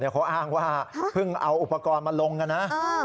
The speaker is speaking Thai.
เขาอ้างว่าเพิ่งเอาอุปกรณ์มาลงกันนะ